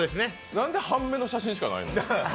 なんで半目の写真しかないの？